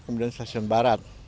kemudian stasiun barat